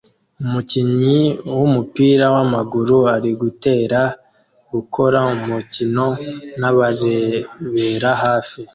Umukinnyi wumupira wamaguru aritegura gukora umukino nabarebera hafi